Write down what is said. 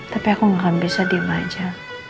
tapi aku gak akan bisa diam aja